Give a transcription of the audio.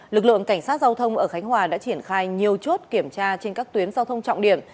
lực lượng cảnh sát giao thông ở khánh hòa đã triển khai nhiều chốt kiểm tra trên các tuyến giao thông trọng điểm